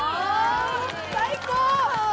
最高！